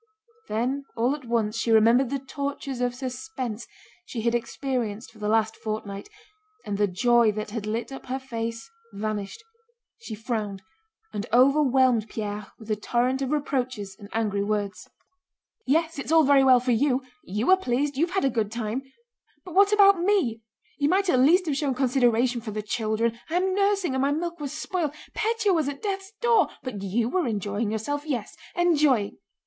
Then all at once she remembered the tortures of suspense she had experienced for the last fortnight, and the joy that had lit up her face vanished; she frowned and overwhelmed Pierre with a torrent of reproaches and angry words. "Yes, it's all very well for you. You are pleased, you've had a good time.... But what about me? You might at least have shown consideration for the children. I am nursing and my milk was spoiled.... Pétya was at death's door. But you were enjoying yourself. Yes, enjoying..."